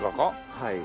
はい。